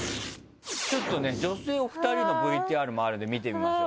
ちょっとね女性お二人のＶＴＲもあるので見てみましょう。